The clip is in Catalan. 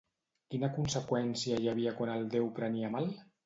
Quina conseqüència hi havia quan el déu prenia mal?